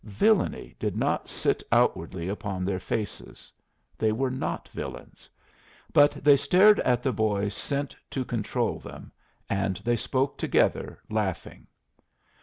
Villany did not sit outwardly upon their faces; they were not villains; but they stared at the boy sent to control them, and they spoke together, laughing.